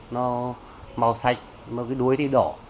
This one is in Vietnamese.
nó màu sạch mà cái đuối thì đỏ